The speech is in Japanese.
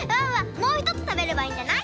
もうひとつたべればいいんじゃない？